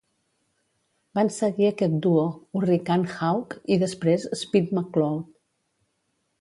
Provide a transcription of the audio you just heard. Van seguir aquest duo Hurricane Hawk i després Speed McCloud.